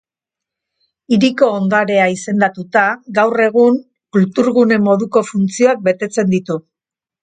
Hiriko ondarea izendatuta, gaur egun kulturgune moduko funtzioak betetzen ditu.